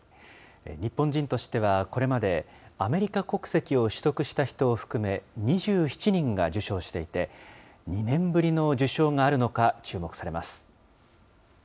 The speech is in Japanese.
日本人としてはこれまでアメリカ国籍を取得した人を含め、２７人が受賞していて、２年ぶりの受賞があるのか注目されます。